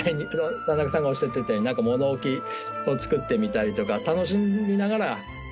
田中さんがおっしゃってたように物置をつくってみたりとか。